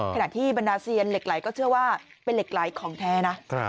ขณะที่บรรดาเซียนเหล็กไหลก็เชื่อว่าเป็นเหล็กไหลของแท้นะ